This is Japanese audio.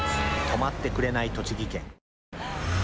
止まってくれない栃木県。